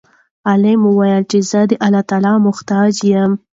غلام وویل چې زه د الله محتاج یم.